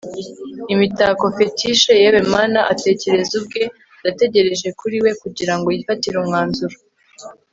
imitako fetish yewe mana atekereza ubwe ndategereje kuri we kugirango yifatire umwanzuro